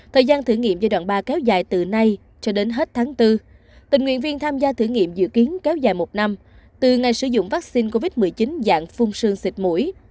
thời gian thử nghiệm giai đoạn ba kéo dài từ nay cho đến hết tháng bốn tình nguyện viên tham gia thử nghiệm dự kiến kéo dài một năm từ ngày sử dụng vaccine covid một mươi chín dạng phung xương xịt mũi